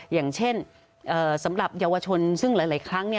อย่างเช่นสำหรับเยาวชนซึ่งหลายครั้ง